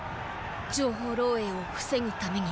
情報漏洩を防ぐために？